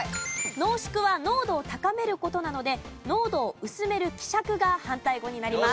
濃縮は濃度を高める事なので濃度を薄める希釈が反対語になります。